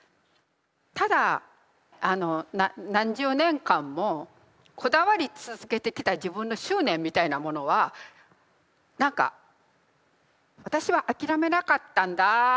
ただ何十年間もこだわり続けてきた自分の執念みたいなものは何か私は諦めなかったんだ